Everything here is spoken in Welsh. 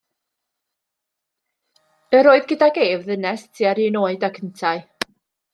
Yr oedd gydag ef ddynes tua'r un oed ag yntau.